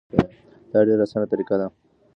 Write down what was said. دا ډیره اسانه طریقه ده.